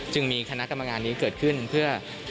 จึงมีคณะกำลังงานนี้เกิดขึ้นเพื่อ